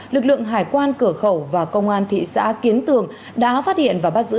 lực lượng hải quan cửa khẩu và công an thị xã kiến tường đã phát hiện và bắt giữ